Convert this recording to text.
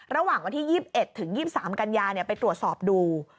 ระหว่างวันที่๒๑ถึง๒๓กันยาไปตรวจสอบดู